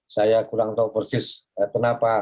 saya kurang tahu persis kenapa